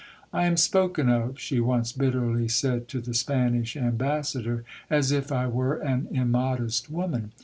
"I am spoken of," she once bitterly said to the Spanish Ambassador, "as if I were an immodest woman.